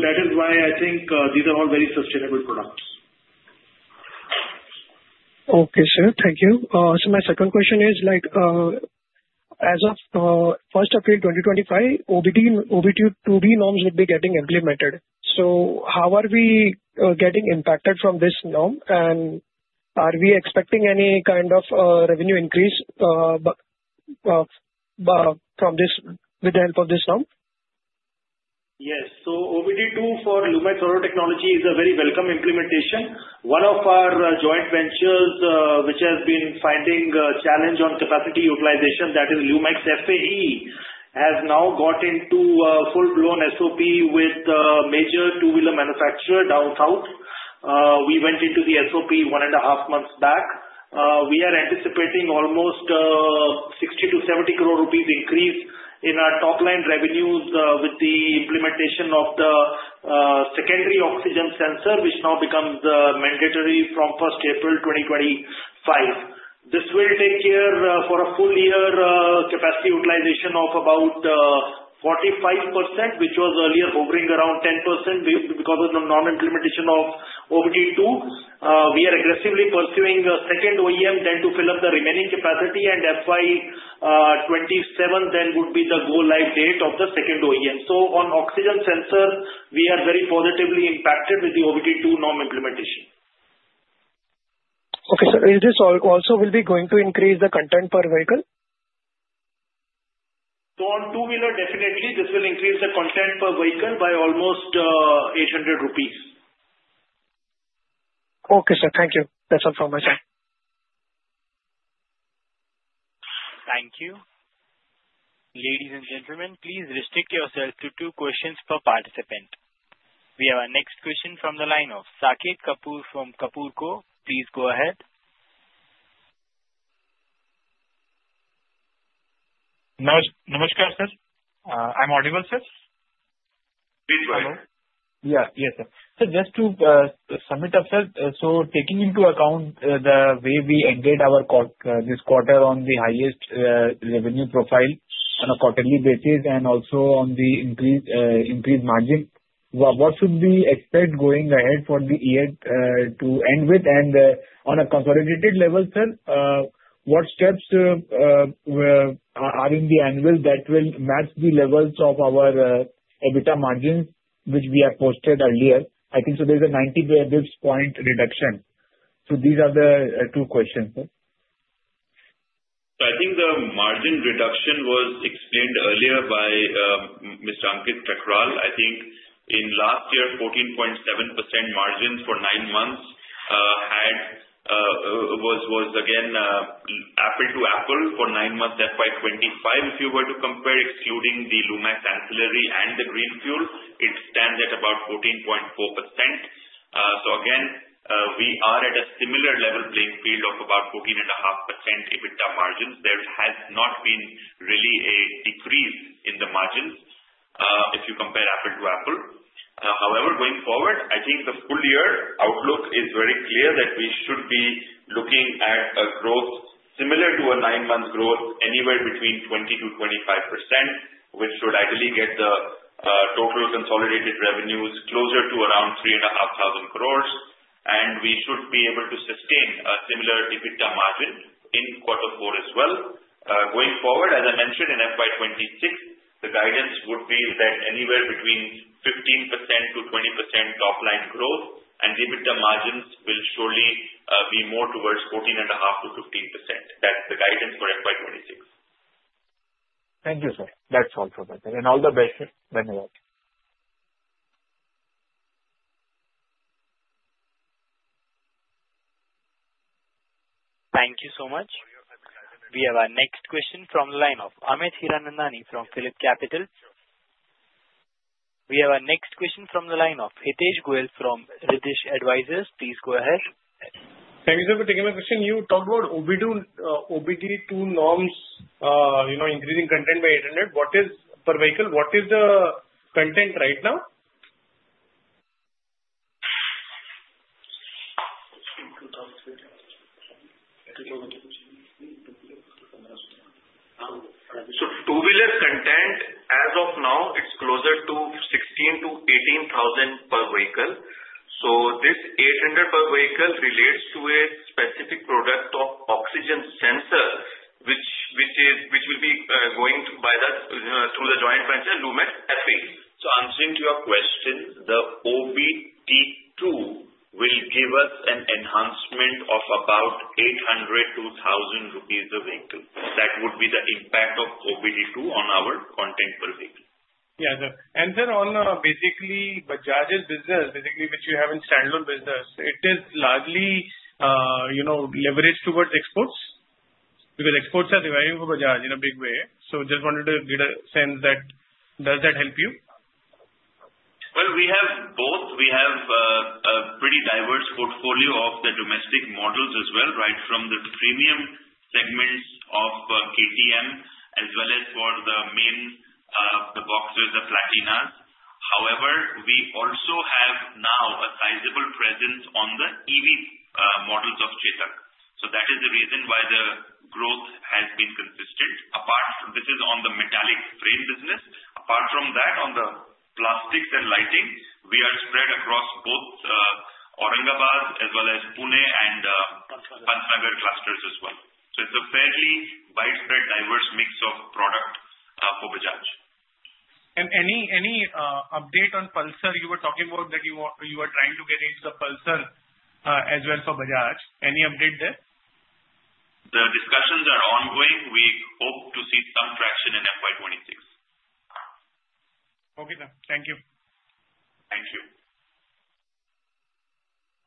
That is why I think these are all very sustainable products. Okay, sir. Thank you. So my second question is, as of 1st April 2025, OBD-IIB norms will be getting implemented. So how are we getting impacted from this norm, and are we expecting any kind of revenue increase with the help of this norm? Yes. OBD-II for Lumax Auto Technologies is a very welcome implementation. One of our joint ventures, which has been finding a challenge on capacity utilization, that is Lumax FAE, has now got into a full-blown SOP with a major two-wheeler manufacturer down south. We went into the SOP one and a half months back. We are anticipating almost 60-70 crore rupees increase in our top line revenues with the implementation of the secondary oxygen sensor, which now becomes mandatory from 1st April 2025. This will take care for a full year capacity utilization of about 45%, which was earlier hovering around 10% because of the non-implementation of OBD-II. We are aggressively pursuing a second OEM then to fill up the remaining capacity, and FY2027 then would be the go-live date of the second OEM. So on oxygen sensors, we are very positively impacted with the OBD-II norm implementation. Okay, sir. Is this also will be going to increase the content per vehicle? On two-wheeler, definitely, this will increase the content per vehicle by almost 800 rupees. Okay, sir. Thank you. That's all from my side. Thank you. Ladies and gentlemen, please restrict yourself to two questions per participant. We have our next question from the line of Saket Kapoor from Kapoor & Co. Please go ahead. Namaskar, sir. I'm audible, sir? Please go ahead. Yeah. Yes, sir. So just to sum it up, sir, so taking into account the way we ended our this quarter on the highest revenue profile on a quarterly basis and also on the increased margin, what should we expect going ahead for the year to end with? And on a consolidated level, sir, what steps are in the anvil that will match the levels of our EBITDA margins, which we have posted earlier? I think so there's a 90 basis points point reduction. So these are the two questions, sir. So I think the margin reduction was explained earlier by Mr. Ankit Thakral. I think in last year, 14.7% margins for nine months was again apples-to-apples for nine months FY2025. If you were to compare, excluding the Lumax Ancillary and the Greenfuel, it stands at about 14.4%. So again, we are at a similar level playing field of about 14.5% EBITDA margins. There has not been really a decrease in the margins if you compare apples-to-apples. However, going forward, I think the full-year outlook is very clear that we should be looking at a growth similar to a nine-month growth anywhere between 20%-25%, which should ideally get the total consolidated revenues closer to around 3,500 crores. And we should be able to sustain a similar EBITDA margin in Q4 as well. Going forward, as I mentioned in FY2026, the guidance would be that anywhere between 15% to 20% top line growth, and EBITDA margins will surely be more towards 14.5% to 15%. That's the guidance for FY2026. Thank you, sir. That's all from my side. And all the best, sir. Thank you. Thank you so much. We have our next question from the line of Amit Hiranandani from PhillipCapital. We have our next question from the line of Hitesh Goel from Riddhish Advisors. Please go ahead. Thank you, sir, for taking my question. You talked about OBD-II norms increasing content by 800. What is per vehicle? What is the content right now? So two-wheeler content, as of now, it's closer to 16-18 thousand per vehicle. So this 800 per vehicle relates to a specific product of oxygen sensor, which will be going through the joint venture, Lumax FAE. So answering to your question, the OBD-II will give us an enhancement of about 800-1,000 rupees a vehicle. That would be the impact of OBD-II on our content per vehicle. Yeah, sir. And sir, on basically Bajaj's business, basically which you have in standalone business, it is largely leveraged towards exports because exports are the value for Bajaj in a big way. So just wanted to get a sense that does that help you? We have both. We have a pretty diverse portfolio of the domestic models as well, right, from the premium segments of KTM as well as for the main Boxer, the Platinas. However, we also have now a sizable presence on the EV models of Chetak. So that is the reason why the growth has been consistent. This is on the metallic frame business. Apart from that, on the plastics and lighting, we are spread across both Aurangabad as well as Pune and Pantnagar clusters as well. So it's a fairly widespread, diverse mix of product for Bajaj. Any update on Pulsar? You were talking about that you are trying to get into the Pulsar as well for Bajaj. Any update there? The discussions are ongoing. We hope to see some traction in FY2026. Okay, sir. Thank you. Thank you.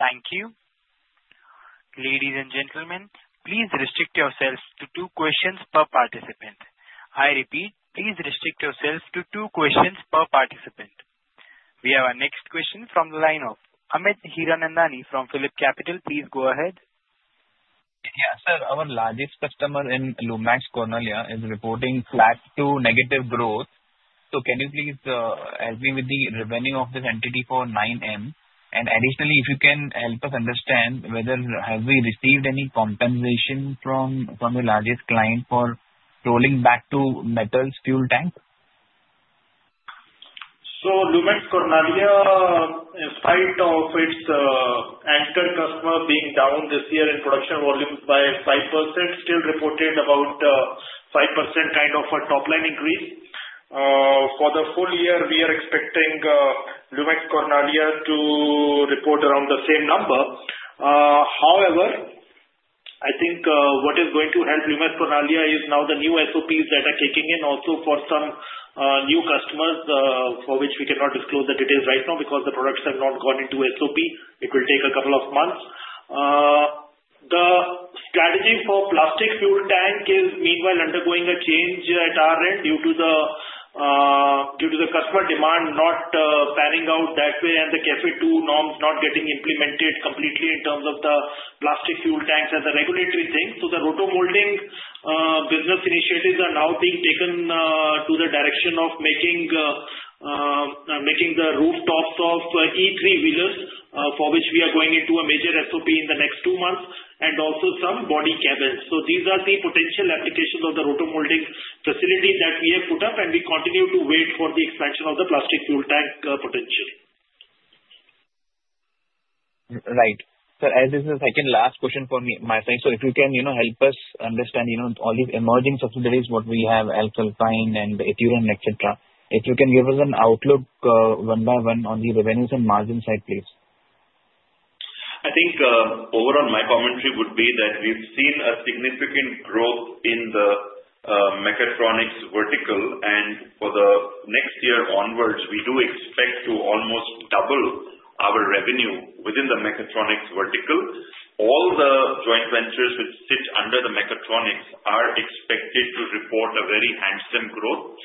Thank you. Ladies and gentlemen, please restrict yourselves to two questions per participant. I repeat, please restrict yourselves to two questions per participant. We have our next question from the line of Amit Hiranandani from PhillipCapital. Please go ahead. Yeah, sir. Our largest customer in Lumax Cornaglia is reporting flat to negative growth. So can you please help me with the revenue of this entity for 9M? And additionally, if you can help us understand whether we received any compensation from the largest client for rolling back to metal fuel tank? Lumax Cornaglia, in spite of its anchor customer being down this year in production volumes by 5%, still reported about 5% kind of a top line increase. For the full year, we are expecting Lumax Cornaglia to report around the same number. However, I think what is going to help Lumax Cornaglia is now the new SOPs that are kicking in also for some new customers for which we cannot disclose the details right now because the products have not gone into SOP. It will take a couple of months. The strategy for plastic fuel tank is meanwhile undergoing a change at our end due to the customer demand not panning out that way and the CAFE II norms not getting implemented completely in terms of the plastic fuel tanks as a regulatory thing. So the roto-molding business initiatives are now being taken to the direction of making the rooftops of E-3 wheelers for which we are going into a major SOP in the next two months and also some body cabins. So these are the potential applications of the roto-molding facility that we have put up, and we continue to wait for the expansion of the plastic fuel tank potential. Right. Sir, as this is the second last question for my side, so if you can help us understand all these emerging subsidiaries, what we have: Alps Alpine and Ituran, etc., if you can give us an outlook one by one on the revenues and margin side, please. I think overall my commentary would be that we've seen a significant growth in the mechatronics vertical, and for the next year onwards, we do expect to almost double our revenue within the mechatronics vertical. All the joint ventures which sit under the mechatronics are expected to report a very handsome growth,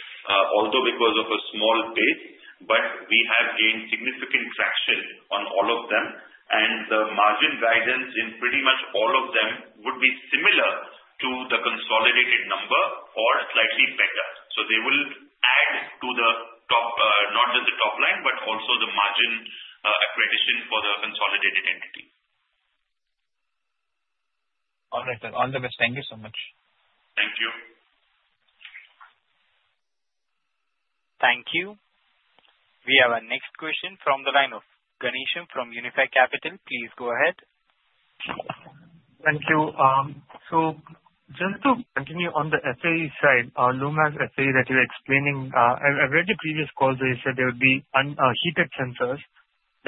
although because of a small base, but we have gained significant traction on all of them, and the margin guidance in pretty much all of them would be similar to the consolidated number or slightly better. So they will add to the top, not just the top line, but also the margin accretion for the consolidated entity. All right, sir. You're the best. Thank you so much. Thank you. Thank you. We have our next question from the line of Ghanshyam from Unifi Capital. Please go ahead. Thank you. So just to continue on the FAE side, Lumax FAE that you're explaining, I've read your previous call where you said there would be heated sensors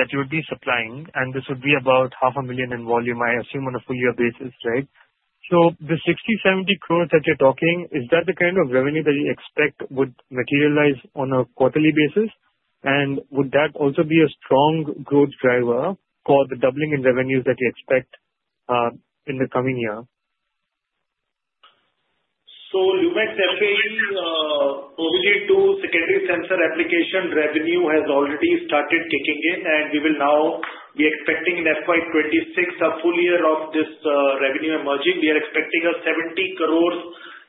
that you would be supplying, and this would be about 500,000 in volume, I assume, on a full-year basis, right? So the 60-70 crores that you're talking, is that the kind of revenue that you expect would materialize on a quarterly basis? And would that also be a strong growth driver for the doubling in revenues that you expect in the coming year? Lumax FAE OBD-II secondary sensor application revenue has already started kicking in, and we will now be expecting in FY2026 a full year of this revenue emerging. We are expecting 70 crore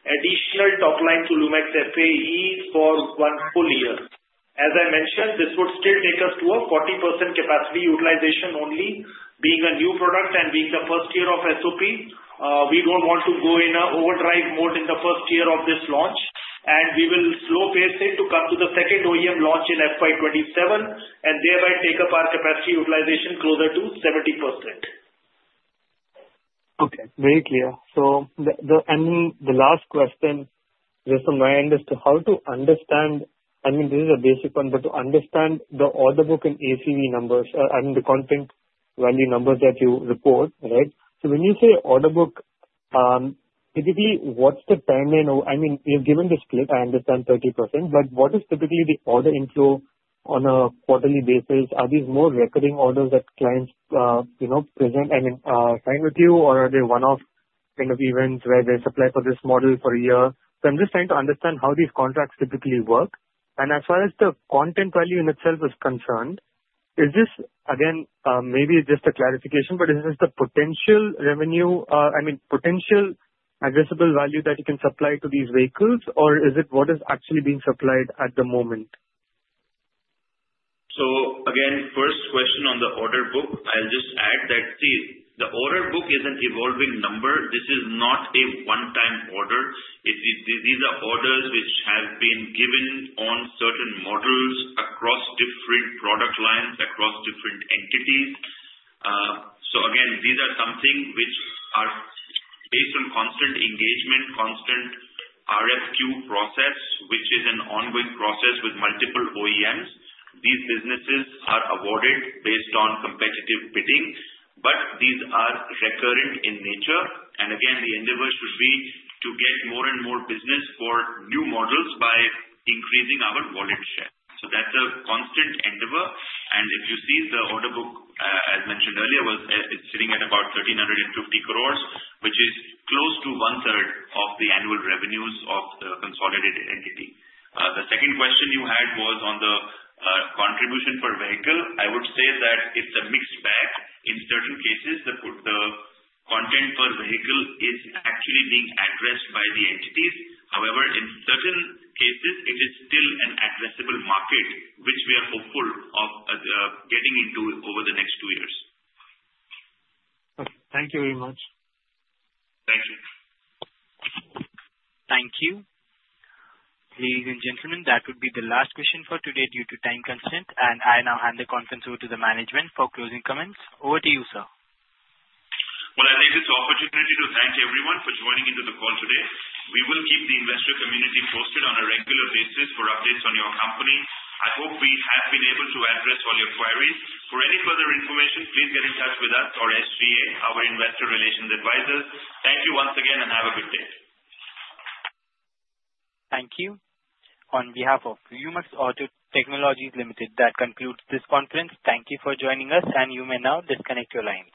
additional top line to Lumax FAE for one full year. As I mentioned, this would still take us to a 40% capacity utilization only, being a new product and being the first year of SOP. We don't want to go in an overdrive mode in the first year of this launch, and we will slow pace it to come to the second OEM launch in FY2027 and thereby take up our capacity utilization closer to 70%. Okay. Very clear. So the last question, just from my end, is to how to understand, I mean, this is a basic one, but to understand the order book and ACV numbers, I mean, the contract value numbers that you report, right? So when you say order book, typically what's the timeline? I mean, you've given the split, I understand, 30%, but what is typically the order inflow on a quarterly basis? Are these more recurring orders that clients present and sign with you, or are they one-off kind of events where they supply for this model for a year? So I'm just trying to understand how these contracts typically work. As far as the content value in itself is concerned, is this, again, maybe it's just a clarification, but is this the potential revenue, I mean, potential addressable value that you can supply to these vehicles, or is it what is actually being supplied at the moment? So again, first question on the order book, I'll just add that the order book is an evolving number. This is not a one-time order. These are orders which have been given on certain models across different product lines, across different entities. So again, these are something which are based on constant engagement, constant RFQ process, which is an ongoing process with multiple OEMs. These businesses are awarded based on competitive bidding, but these are recurrent in nature. And again, the endeavor should be to get more and more business for new models by increasing our wallet share. So that's a constant endeavor. And if you see the order book, as mentioned earlier, it's sitting at about 1,350 crores, which is close to one-third of the annual revenues of the consolidated entity. The second question you had was on the contribution per vehicle. I would say that it's a mixed bag. In certain cases, the content per vehicle is actually being addressed by the entities. However, in certain cases, it is still an addressable market, which we are hopeful of getting into over the next two years. Okay. Thank you very much. Thank you. Thank you. Ladies and gentlemen, that would be the last question for today due to time constraint, and I now hand the conference over to the management for closing comments. Over to you, sir. I take this opportunity to thank everyone for joining into the call today. We will keep the investor community posted on a regular basis for updates on your company. I hope we have been able to address all your queries. For any further information, please get in touch with us or SGA, our investor relations advisors. Thank you once again, and have a good day. Thank you. On behalf of Lumax Auto Technologies Limited, that concludes this conference. Thank you for joining us, and you may now disconnect your lines.